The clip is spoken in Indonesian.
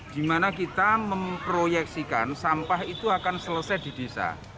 di mana kita memproyeksikan sampah itu akan selesai di desa